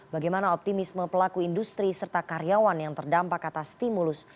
bagaimana optimisme pelaku industri serta karyawan yang terdampak atas stimulus